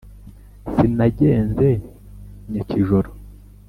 Sinagenze nyakijoro